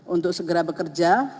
untuk segera bekerja